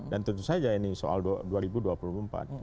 dan tentu saja ini soal dua ribu dua puluh empat gitu